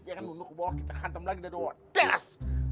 dia kan duduk ke bawah kita hantam lagi bias